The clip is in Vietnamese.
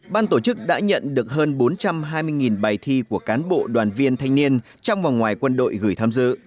ban tổ chức đã nhận được hơn bốn trăm hai mươi bài thi của cán bộ đoàn viên thanh niên trong và ngoài quân đội gửi tham dự